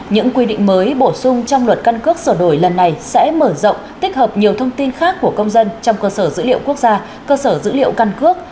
những quy định mới bổ sung trong luật căn cước sổ đổi lần này sẽ mở rộng tích hợp nhiều thông tin khác của công dân trong cơ sở dữ liệu quốc gia cơ sở dữ liệu căn cước